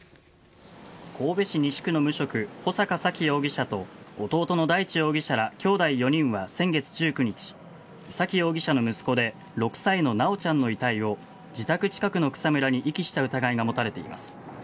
神戸市西区の無職穂坂沙喜容疑者と弟の大地容疑者らきょうだい４人は先月１９日沙喜容疑者の息子で６歳の修ちゃんの遺体を自宅近くの草むらに遺棄した疑いが持たれています。